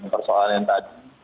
persoalan yang tadi